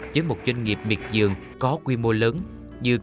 trước một doanh nghiệp miệt dường có quy mô lớn như cánh đồng khoa của chú tư